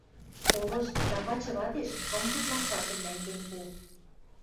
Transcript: Колышт, тагачы вадеш кым пуд лашашым нӓнген пу